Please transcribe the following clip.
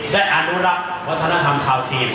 อนุรักษ์วัฒนธรรมชาวจีน